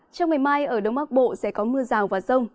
trong ngày mai ở đông bắc bộ sẽ có mưa rào và rông